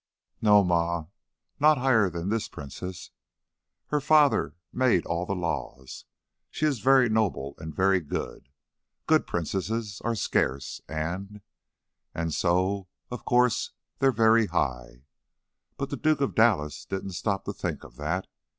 "No, Ma. Not higher than this princess. Her father made all the laws. She is very noble and very good. Good princesses are scarce and and so, of course, they're very high. But the Duke of Dallas didn't stop to think of that.